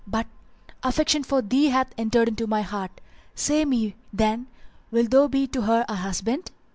But affection for thee hath entered into my heart; say me, then, wilt thou be to her a husband?